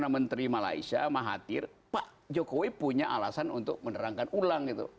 karena menteri malaysia mahathir pak jokowi punya alasan untuk menerangkan ulang